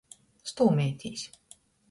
Stūmeitīs.